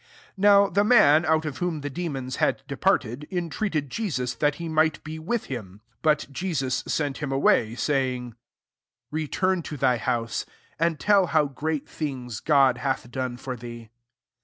38 Now the man, out of whom the demons had departed, en treated Je9us that he might be with him. But [Je»U9]9enX him away, saying, 39 " Return to thy house, and tell how great things God hath done for thee."